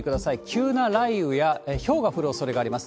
急な雷雨やひょうが降るおそれがあります。